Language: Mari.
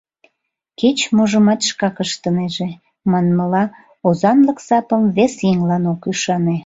Кеч-можымат шкак ыштынеже, манмыла, озанлык сапым вес еҥлан ок ӱшане.